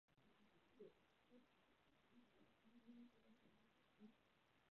此次事件引起了武汉当局的极大恐慌。